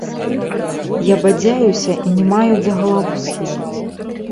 Я бадзяюся і не маю дзе галаву схіліць.